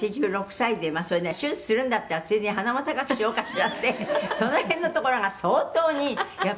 ８６歳で今それ“手術するんだったらついでに鼻も高くしようかしら”ってその辺のところが相当にやっぱりね」